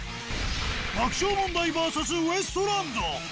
爆笑問題ＶＳウエストランド。